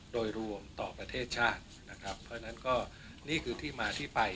โดยรวมต่อประเทศชาตินะครับเพราะฉะนั้นก็นี่คือที่มาที่ไป